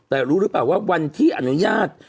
แต่รู้หรือเปล่าว่าวันที่อนุญาต